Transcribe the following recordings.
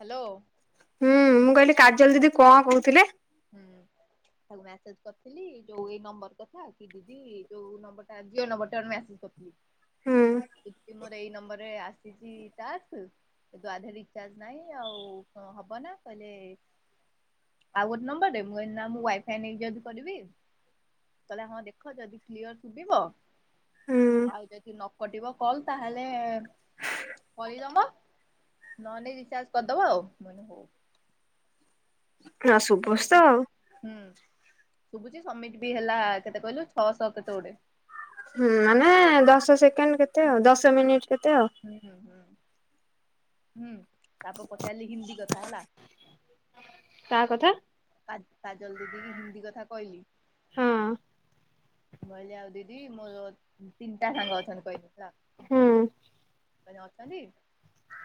Hello. ହୁଁ ମୁଁ କହିଲି କାଜଲ ଦିଦି କଣ କହୁଥିଲେ। ହୁଁ। ତାକୁ ମେସେଜ କରିଥିଲି ଯୋଉ ଏଇ ନମ୍ବର କଥା କି ଦିଦି ଯୋଉ ନମ୍ବର ଟା ଯିଅ ନମ୍ବର ଟା ରୁ ମ ଆସି। ହୁଁ ଦିଦି ମୋର ଏଇ ନମ୍ବରରେ ଆସି କିଛି ଟାସ୍କ କିନ୍ତୁ ଆଧାର ଲିଙ୍କ୍ ତାର ନାହିଁ ଆଉ କଣ ହବ ନା କହିଲେ ଆଉ ଗୋଟେ ନମ୍ବର ଦେ ମୁଁ କଇଲି ନା ମୁଁ ୱାଇଫାଇ ନେଇକି ଯଦି କରିବି କହିଲା ହଁ ଦେଖ ଯଦି କ୍ଲିଅର ଶୁଭିବ ହୁଁ ଆଉ ଯଦି ନ କଟିବ କଲ ତାହେଲେ କହିଦବ ନହଲେ ରିଚାର୍ଜ କରିଦବ ଆଉ ମାନେ ହଉ। ହଁ ସୁଭୁଚି ସମିତି ତ ଆଉ। ହୁଁ ଶୁଭୁଛି ସବମିଟ ବି ହେଲା କେତେ କହିଲୁ ଛଅଶହ କେତେ ଗୋଟେ। ହୁଁ ମାନେ ଦଶ ସେକେଣ୍ଡ କେତେ ହୁଁ ଆଉ ଦଶ ମିନିଟ କେତେ ଆଉ। ହୁଁ ହୁଁ ହୁଁ ହୁଁ ତାପରେ ପଚାରିଲି ହିନ୍ଦୀ କଥା ହେଲା। ତା କଥା କା କାଜଲ ଦିଦି କି ହିନ୍ଦୀ କଥା କହିଲି। ହଁ। ମୁଁ ଅଇଲି ଆଉ ଦିଦି ମୋର ତିନଟା ସାଙ୍ଗ ଅଛନ୍ତି କହିଲି ହେଲା। ହଁ। କହିଲି ଅଛନ୍ତି।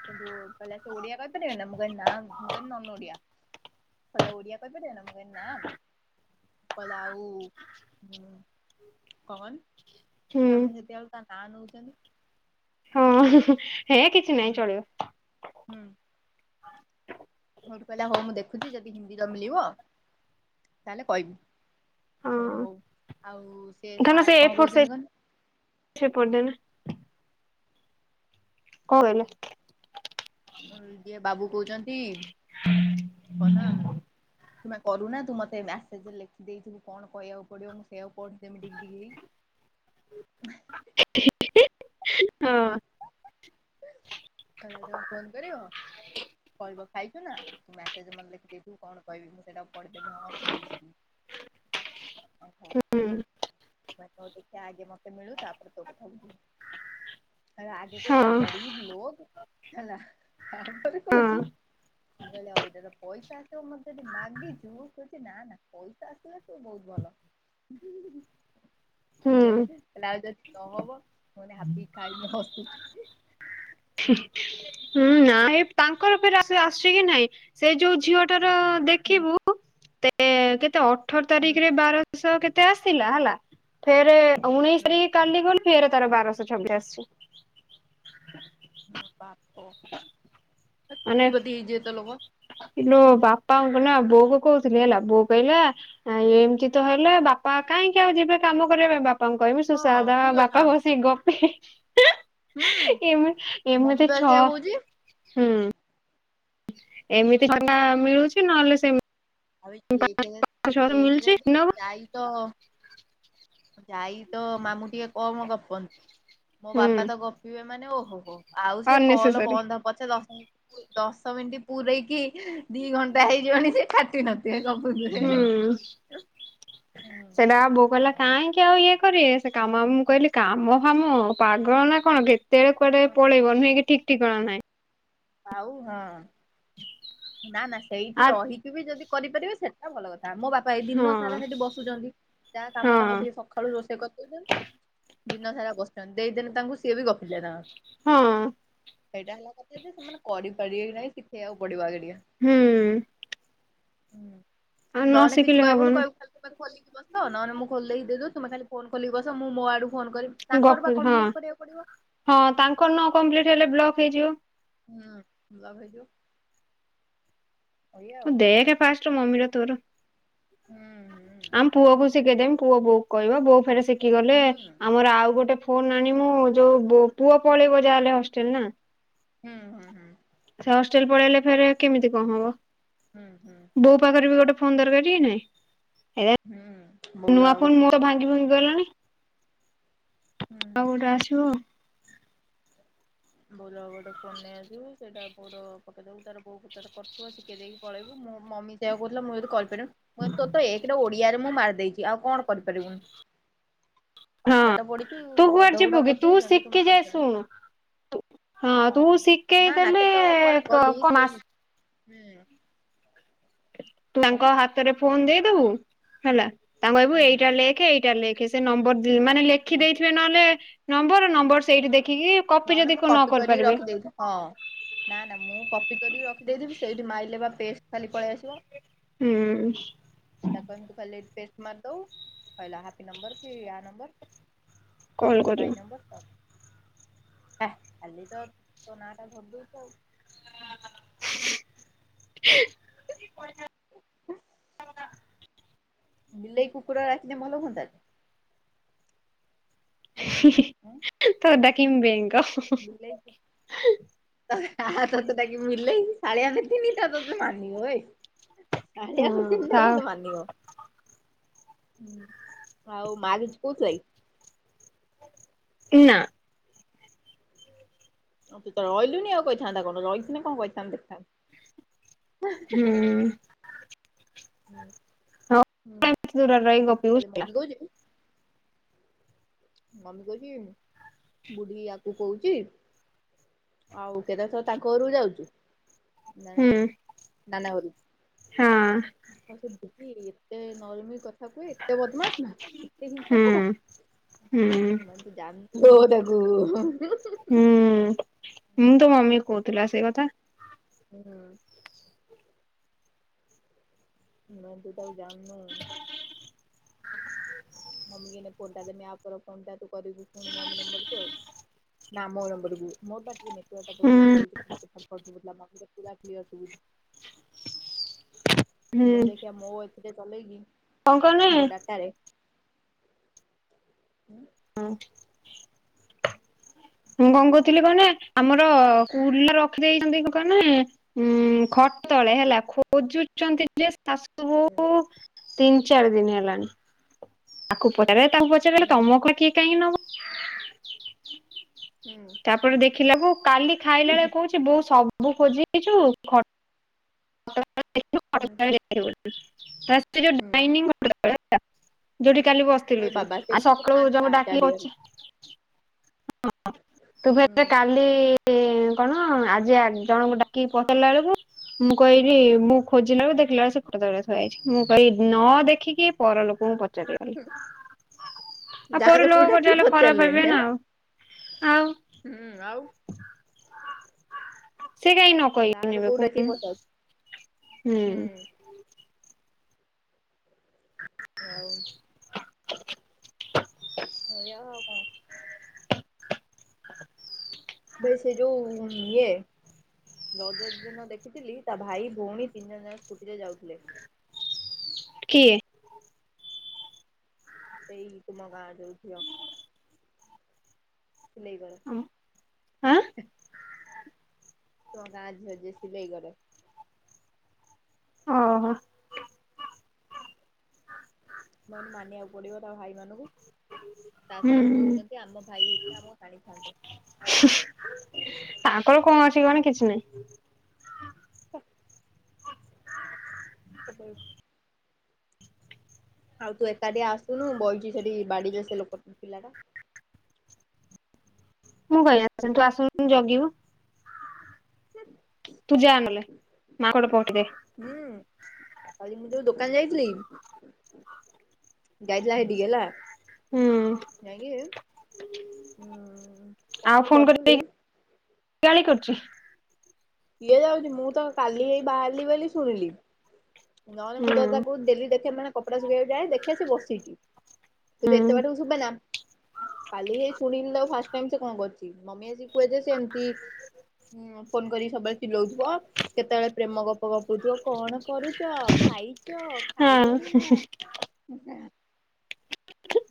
ସେଟୁ କହିଲା ସେ ଓଡିଆ କହିପାରିବେ ନା ମୁ କହିଲି ନା ମୁ କହିଲି ନନ ଓଡ଼ିଆ। କଲେ ଓଡ଼ିଆ କହିପାରିବେ ନା ମୁ କହିଲି ନା କହିଲା ଆଉ ହୁଁ। କଣ କହନି ହୁଁ ତ ଆମେ ସେତେଆଳୁ ତା ନାଁ ନେଉଛନ୍ତି। ହଁ ହେ କିଛି ନାହିଁ ହୁଁ ଚଳିବ। ହୁଁ। [unintelligible] ତାହେଲେ କହିବି। ହଁ। ଧନ ସେ ଏ ଫୋର୍ ସାଇଜ [unintelligible] [unintelligible] କଣ ହେଲା। ଯିଏ ବାବୁ କହୁଛନ୍ତି [unintelligible] ତୁ କରୁନା ତୁ ମତେ ମେସେଜ ଲେଖି ଦେଇଥିବୁ କଣ କହିବାକୁ ପଡିବ ମୁଁ ସେଆକୁ [unintelligible] [inaudible] [unintelligible] ହଁ। [unintelligible] ଖାଇଛୁ ନା ମସେଜ ମତେ ଲେଖି ଦେଇଥିବୁ କଣ କହିବି ମୁଁ ସେଇଟାକୁ ପଢି ଦେବି ହଁ ଖାଇଛି। ହଁ [unintelligible] [unintelligible] ହଁ। [unintelligible] ମୁଁ [unintelligible] ପଇସା ଆସିବ ମତେ ଯଦି ମାଗିଛୁ କହୁଛି ନା ନା ପଇସା ଆସିଲ ତୁ ବହୁତ ଭଲ। ହୁଁ [unintelligible] [unintelligible] ଆସୁଛି କି ନାହିଁ ସେ ଯୋଉ ଝିଅଟାର ହୁଁ ଦେଖିବୁ କେତେ ଅଠର ହୁଁ ତାରିଖରେ ବାରଶହ କେତେ ଆସିଲା ହେଲା। ଫେର ଉଣେଇଶି ହୁଁ ତାରିଖ କାଲି ଗଲେ ଫେର ତାର ବାରଶହ ଛବିଶ ଆସିଛି। ମାନେ [unintelligible] ଲୋ ବାପାଙ୍କୁ ନା [unintelligible] ନାଇ ଏମିତି ତ ହେଲେ ବାପା କାହିଁକି ଆଉ ଯିବେ କାମ କରିବା ପାଇଁ ହଁ ଠିକ କଥା ବାପା ହୁଁ [unintelligible] ଏମ ମମି ଏମିତି ବା ଛ ସେଇଆ କହୁଛି ହୁଁ। ଏମିତି [unintelligible] ଛଅ ମିଳୁଛି [unintelligible] ଯାଇ ତ ମାମୁଁ ଟିକେ କଣ ଗପନ୍ତୁ ମୋ ହୁଁ ବାପା ତ ଗପିବେ ମାନେ ଓହୋ [unintelligible] ଆଉ ସିଏ କଲ ଅନେସେସରି ବନ୍ଦ ପଛ ଦଶ ମିନିଟ ଦଶ ମିନିଟ୍ ପୁରରେଇକି ଦି ଘଣ୍ଟା ହେଇଯିବଣି ସେ [unintelligible] [unintelligible] ହୁଁ ସେଟା ବୋଉ କଲା କାଇଁ ଆଉ ଇଏ କରିବେ ସେ କାମ ହୁଁ [unintelligible] ସେ କୁଆଡେ ପଳେଇବ ନୁହେଁ କି ଠିକ୍ ଠିକଣା ନାହିଁ। ଆଉ ହଁ। ନା ନା ସେଇଠି ଆ ରହିକି ବି ଯଦି କରିପାରିବେ ସେଇଟା ଭଲ କଥା ମୋ ବାପା [unintelligible] ଦିନ ସାରା ହଁ ସେଠି ବସୁଛନ୍ତି ଯାହା ହଁ କାମ ତାଙ୍କ ଟିକେ ସଖାଳୁ ରୋଷେଇ କରିଦଉଛନ୍ତି ଦିନ ସାରା ବସିଛନ୍ତି [unintelligible] [unintelligible] ସେଇଟା ହଁ ହେଲା କଥା ଯେ ସେମାନେ [unintelligible] ହୁଁ। ହଁ ଆଉ ନ ନହେଲେ କିଛି ଶିଖିଲେ କହିବୁନି ହବନି କହିବୁ ତୁମେ ଖୋଲିକି ବସ ନହେଲେ ମୁଁ ଖୋଲ [unintelligible] ତୁମେ ଖାଲି ଫୋନଲିକି ବସ ମୁଁ ମୋ ଆଡକୁ ଫୋନ କରିବି ତାଙ୍କର ବା ଗପୁର ହଁ କମ୍ପ୍ଲିଟ କରିବାକୁ ପଡିବ ହଁ ତାଙ୍କର ହୁଁ ନ କମ୍ପ୍ଲିଟ ହେଲେ ବ୍ଲକ୍ ହେଇଯିବ। [unintelligible] ଏଇଆ ହଁ ଆଉ ଦେଖେ ଫାଷ୍ଟ ମମିର ତୋର। ହୁଁ ହୁଁ। ଆମ ପୁଅ କୁ ଶିଖେଇଦେମି ପୁଅ ବୋଉ କୁ କହିବ ବୋଉ ଫେର ଶିଖିଗଲେ। ହୁଁ ଆମର ଆଉ ଗୋଟେ ଫୋନ୍ ଆଣିମୁ ଯୋଉ ବୋ ପୁଅ ପଳେଇବ ଯାହେଲେ ହଷ୍ଟେଲ ନା। ହୁଁ ହୁଁ ହୁଁ। ସେ ହଷ୍ଟେଲ ପଳେଇଲେ ଫେରେ କେମିତି କଣ ହବ। ହୁଁ ହୁଁ। ବୋଉ ପାଖରେ ବି ଗୋଟେ ଫୋନ୍ ଦରକାର କି ନାଇଁ। ଏ ହୁଁ ବୋଉ ନୂଆ ଆଉ ଫୋନ୍ ଗୋଟେ ମୋର ଭାଙ୍ଗି ଭାଙ୍ଗି ଗଲାଣି। ହୁଁ ଆଉ ଗୋଟେ ଆସିବ। ବୋଉର ଆଉ ଗୋଟେ ଫୋନ୍ ନେଇ ଆସିବି ସେଟା ବୋଉର ପକେଇ ଦେବୁ ତାର ବୋଉ ତାର କରୁଥୁବ ଶିକେଇ ଦେଇକି ପଳେଇବୁ। ମୋ ମମି ଦେଅ [unintelligible] କହୁଥିଲା ମୁଁ ଯଦି କରିପାରିମି ମୁଁ କହିନି ତୋର ତ ଏକରେ ଓଡିଆରେ ମୁଁ ମାରି ଦେଇଚି ଆଉ କଣ କରିପାରିବୁନୁ। ହଁ ପାଠଷାଠ ପଢିଚୁ ତୁ କୁଆଡେ ଯିବୁ ଗଧଗୁଡା କି ତୁ କରିଦଉଚନ୍ତି ଶିଖି ତୁମେ ଯାଏ କରିପାରୁ ଶୁଣୁ ତୁ ହଁ ଶିଖେଇ ନା ନା ଦେଲେ କେତେବେଳେ କୁଆଡେ ତୁ ଗଲି ସେ ନି ହୁଁ କଣ ତାଙ୍କ ହାତରେ ଫୋନ୍ ଦେଇଦବୁ ହେଲା ତାଙ୍କୁ କହିବୁ ହୁଁ ଏଇଟା ଲେଖେ ଏଇଟା ଲେ ସେ ନମ୍ବର ଦି ମାନେ ଲେଖି ହୁଁ। ଦେଇଥିବେ ନହେଲେ ନମ୍ବର ନମ୍ବର ସେଇଠି ଦେଖିକି କପି ନହେନ ଯଦି ମୁଁ ନ କପି କରିକି କରିପାରିବେ ରଖିଦେଇ ହଁ। ନା ନା ମୁଁ କପି କରିକି ରଖିଦେଇଥିବି ସେଇଠି ମାଇଲେ ବା ପେଷ୍ଟ ଖାଲି ପଳେଇ ଆସିବ। ହୁଁ। ତାକୁ କହିମି ତୁ ଖାଲି ପେଷ୍ଟ ମାରିଦୋବୁ ସ‌ଇଲା ହାପି ନମ୍ବର କି ଆ ନମ୍ବର କଲ କରିବ ମାଇଁ ନମ୍ବର ତ ହେ ଖାଲି ତୋ ନାଁ ଟା ଧରି ଦ‌ଉଚି ଆଉ। [unintelligible] [unintelligible] ବିିଲେଇ କୁକୁଡା ରଖିଲେ ଭଲ ହୁଅନ୍ତା। [unintelligible] ଉଁ। ତତେ ଡାକିମି ବେଙ୍ଗ। [unintelligible] ବିଲେଇ [unintelligible] ତତେ ତାକିମିି ବିଲେଇ କାଳିଆ ବିଲେଇ [unintelligible] ତତେ ମାନିବ ବେ। ହଁ କାଳିଆ ବିଲେଇଟା [unintelligible] ତତେ ମାନିବ। ହୁଁ ଆଉ ମାରୁଚୁ କୋଉଥିରେ? ନାଁ। ତୁ ତ ର‌ଇଲୁନି ଆଉ କହିଥାନ୍ତେ କଣ ର‌ଇଥିନେ କଣ କହିଥାନ୍ତ ଦେଖଥା ହୁଁ। ହଉ ହୁଁ ହୁଁ ଦୂରରେ ରହି ଗପିବୁ କାଲି ହେଲା ମମି କୋହୁଚି ମମି କୋହୁଚି ବୁଢୀ ୟାକୁ କୋହୁଚି। ଆଉ କେତ ଥର ତାଙ୍କ ଘରୁ ଯାଉଚୁ ମାନେ ହୁଁ ନାନା ଘରୁ ହଁ। ହ ସେ ବୁଢୀ ଏତେ ନରମି କ ଥା କୁହେ ଏତେ ବଦମାସ ନା ଏତେ ହିଂସା ହୁଁ ତାର। ହୁଁ [inaudible] [unintelligible] ତାକୁ ହୁଁ ହୁଁ ମୁଁ ତୋ ମମି କହୁଥିଲା ସେଇ କଥା। ହୁଁ। ନା ତୁ ତାକୁ ଜାଣିନୁ। ମମି ଏଇନା ଫୋନଟା ଦେମି ଆଉଥରେ ଫୋନ୍ ଟା ତୁ କରିବୁ ଶୁଣି ମମି ନମ୍ବର କୁ ନାଁ [unintelligible] ମୋର ତ ଟିକେ ନେଟୱର୍କ ହୁଁ ପ୍ରୋବ୍ଲେମ ରହୁଛି [unintelligible] କ୍ଳିଅର ଶୁଭୁଚି। ହୁଁ ମୁଁ ଦେଖିବା ମୁଁ ଏଥିରେ ଚଲେଇକି କଣ କହନି ମୋ ଡାଟାରେ ହୁଁ। ହଁ ମୁଁ କଣ କହୁଥିଲି କହିନେ ଆମର-ଅ-ଅ-ଅ କୁଲରେ ରଖିଦେଇଛନ୍ତି [unintelligible] ଉ-ଉ-ଉ ଖଟ ତଳେ ହେଲା ଖୋଜୁଛନ୍ତି ଯେ ଶ୍ପ ହୁଁ ସବୁ-ଉ-ଉ ତିନି ଚାରି ଦିନ ହେଲାଣି ତାକୁ [unintelligible] ତାଙ୍କୁ [unintelligible] ସେ କହିଲା ହୁଁ ତମକୁ କିଏ କାଇଁ ନବ? ହୁଁ। [unintelligible] ଦେଖିଲାକୁୁ କାଲି ଖାଇଲା ବେଳେ କହୁଛି ବୋଉ ସବୁ ଖୋଜି ଦେଇଚୁ ଖ [unintelligible] ହୁଁ ହୁଁ ଡାଇନ୍ନିଙ୍ଗ [unintelligible] ଯୋଉଠି କାଲି ବସିଥିଲୁ ଏ ତୁ ବାବା ସେ ଆଉ ପୁଣି ସକାଳୁ ଫାଙ୍କା ଜମ ଡାକି ଚାରିଆଡୁ ଅଛି। [unintelligible] ତୁ ହୁଁ। ତ କାଲି-ଇ-ଇ-ଇ ଏ କଣ ଆଜି ଜଣଙ୍କୁ ଡାକିକି ପଚାରିଲା ବେଳକୁ ମୁଁ କହିଲି ମୁଁ ଖୋଜିଲା ବଳକୁ ଦେଖିଲ ବେଳେ ସେପଟେ ତଳେ ଥୁଆଯାଇଛି ମୁଁ କହିଲି ନ ଦେଖିକି ପରଲୋକଙ୍କୁ ପ [unintelligible] ଆଉ ପର ଲୋକଙ୍କୁ ଗାଁ ଲୋକକୁ ଯ ଡାକିକି ପଚାରିଲେ ଖରାପ ପଚାରିଲେଣି ଭାବିବେ ଆଁ ନା। ଆଉ ହୁଁ ଆଉ ସେ କାହିଁ ନ ଗାଁ କହିବେ [unintelligible] ଲୋକକୁ ଡାକିକି କହୁନୁ ପଚାରୁଛି ହୁଁ। ହ ଆଉ ସେୟା ଆଉ କଣ? ବେ ସେ ଯୋଉ-ଉ-ଉ ଏ ରଜ ଦିନ ଦେଖିଥିଲି ତା ଭାଇ ଭଉଣୀ ତିନି ଜଣ ଯାକ ସ୍କୁଟିରେ ଯାଉଥିଲେ। କିଏ? ସେଇ ତୁମ ଗାଁ ଯୋଉ ଝିଅ। ଫୁଲେଇ ଦଳ। ଉ ହାଁ। ତୁମ ଗାଁ ଝିଅ ଯିଏ ସିଲେଇ କରେ ଓ ହୋ। ମୁଁ କହିଲି ମାନିବାକୁ ପଡିବ। ତା ଭାଇ ମାନଙ୍କୁ ତା ହୁଁ ସାଙ୍ଗେ ବୁଲୁଛନ୍ତି ଆମ ଭାଇ ହେଇଥାନ୍ତେ ଆମକୁ ହାଣିଥାନ୍ତେ। ତାଙ୍କର କଣ ଅଛି କହନି କିଛି ନାହିଁ। ହ [unintelligible] ଆଉ ତୁ ଏକାଟିଆ ଆସୁନୁ ବଇଚି ସେଠି ବାଡିିରେ ସେ ଲୋକ ପିଲା ଟା। ମୁଁ କାହିଁ [unintelligible] ତୁ ଆସୁନୁ ଜଗିବୁ। ତୁ ଯା ନହଲେ ମା ଗୋଟେ ପହଠେଇଦେ। ହୁଁ କାଲି ମୁଁ ତୋ ଦୋକାନ ଯାଇଥିଲି ଯାଇଥିଲା ସେଇଟି କି ହେଲା ହୁଁ ଯାଇକି ହୁଁ-ଉ-ଉ କଣ ଆଉ ଗୋ ଫୋନ କରିକି କରଥିଲି? ଗାଳି କରୁଛି। କିଏ ଯାଉଛି ମୁଁ ତ କାଲି ହେଇ ବାହାରିଲି ବୋଲି ଶୁଣିଲି ନହେଲେ ମୁଁ ହୁଁ ତ ତା କୁ ଦେଲି ଦେଖେ ମାନେ କପଡ଼ା ଶୁଖେଇବାକୁ ଯାଏଁ ଦେଖେ ସେ ବସ୍ଛି। ହୁଁ ତତେ ଏତେ ବାଟକୁ ଶୁଭେ ନା କାଲି ଶୁଣିଲି ତ ଫାଷ୍ଟ ଟାଇମ୍ ସେ କଣ କରୁଛି ମମି ଆସି କୁହ ଯେ ସେମିତି ଫୋନ କରିକି ସବୁବେଳେ ଚିଲଉଥିବ କେତେବେଳେ ପ୍ରେମ ଗ ଗପୁ ଥୁବ କଣ କରୁଚ ଖାଇଚ ହଁ ଖାଇଲଣି ନା।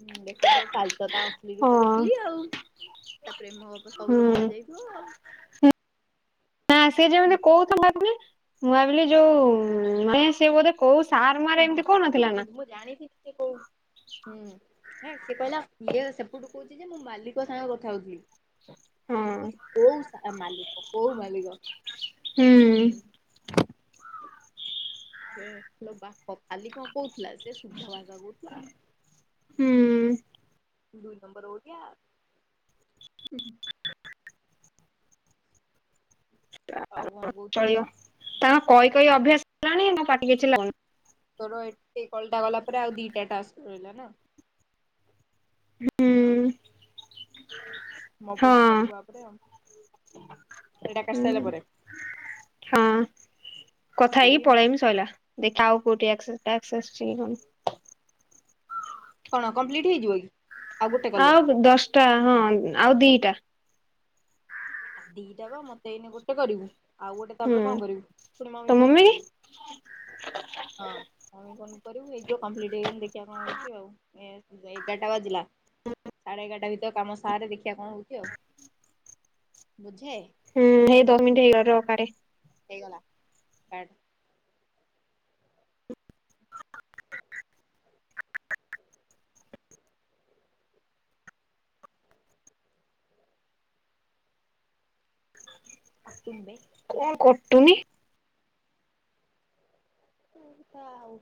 ହୁଁ ଦେଖିଲା ଆଉ କାଲି ତ ତା ଅସ୍ଲି ରୂପ ହଁ ଦେଖିଲି ଆଉ ତା ପ୍ରେମ ଗପ ସବୁ ହୁଁ ବାହାରି ଯାଇ ହ ନା ସିଏ ହୁଁ ଯେମିତି କହୁଥ ଭାବିଲି ମୁଁ ଭାବିଲି ଯୋଉ [unintelligible] ସିଏ ବୋଧେ କୋଉ ସାର୍ ମାରେ ଏମିତି କହୁନଥିଲା ନା। ମୁ ଜାଣିଚି ସେ କୋଉ କହୁଚି ଯେ ମୁଁ ମାଲିକ ସାଙ୍ଗ କଥା ହଉଥିଲି। ହଁ ସେଠୁ କହୁଚି କୋଉ ସା ମାଲିକ କୋଉ ମାଲିକ ହୁଁ। ହୁଁ ଇଲୋ ବାପ ଖାଲି କଣ କହୁ ଲା ସେ ଶୁଦ୍ଧ ଭାଷା କହୁଥୁଲା। ହୁଁ ଦୁଇ ନମ୍ବର [unintelligible] ଆଉ କଣ [inaudible] କହୁଥିଲି ଚଳିବ ତାଙ୍କ କହି କହି ଅଭ୍ୟାସ ହେଲାଣି ମୋ ପାଟିି କିଛି [inaudible] ତର ଏଠେ କଲ୍ ଟା ଗଲା ପରେ ଆଉ ଦିଟା ଟାସ୍କ ରହିଲା ନା। ହୁଁ ହ ମୋ ଫୋନ ରୁ କରିବୁ ଆପରେ ଆଉ। ହୁଁ। ହଁ କଥା ହେଇକି କୋଡିଏ ପଳେଇମି ସଇଲା ଦେଖା ଆଉ କୋଉଠି [unintelligible] ଅଛି ଗି କଣ କଣ କମ୍ପ୍ଲିଟ୍ ହେଇଯିବ କି? ଆଉ ଗୋଟେ କଲେ ଆଉ ଦଶଟା ହଁ ଆଉ ଦିଟା। ଆଉ ଦିଟା ବା ମତେ ଏଇନେ ଗୋଟେ କରିବୁ। ଆଉ ଗୋଟେ ହୁଁ ତାପରେ କଣ କରିବୁ ଫୁଣି ମମି ଫୋନ କୁ କରିବୁ। ହଁ ମମି ଫୋନ କରିବୁ ଏଇ ଯଉ କମ୍ପ୍ଲିଟ ହେଇଗଲେ ଦେଖିବା କଣ ହଉଛି ଆଉ। ଏଁ ଏଗାରଟା ବାଜିଲା ସାଢ଼େ ଏଗାରଟା ଭିତରେ କାମ ସାରେ ଦେଖିଆ କଣ ହୋଉଚି ଆଉ। ହୁଁ [inaudible] ବୁଝେ ହୁଁ ହେଇ ଦଶ ମିନିଟ୍ ହେଇଗର କାଟେ। ହେଇଗଲା, କାଟ୍ [inaudible] କାଟୁନୁ ବେ। କଣ କଟୁନି? ତୁ ତ ଆଉ